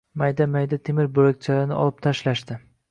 Mayda-mayda temir bo‘lakchalarini olib tashlashdi.